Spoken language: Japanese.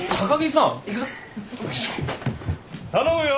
頼むよ。